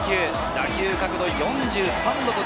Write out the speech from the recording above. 打球角度４３度。